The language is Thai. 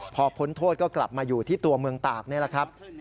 พอพ้นโทษก็กลับมาอยู่ที่ตัวเมืองตากนี่แหละครับ